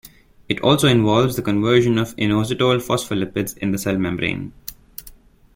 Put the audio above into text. It also involves the conversion of inositol phospholipids in the cell membrane.